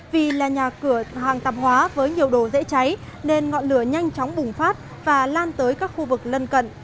vì là nhà cửa hàng tạp hóa với nhiều đồ dễ cháy nên ngọn lửa nhanh chóng bùng phát và lan tới các khu vực lân cận